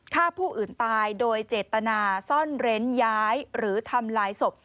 ฆ่าผู้อื่นตายโดยเจตนาซ่อนเร้นย้ายหรือทำลายศพ